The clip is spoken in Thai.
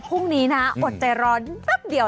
พรุ่งนี้นะอดใจร้อนแป๊บเดียว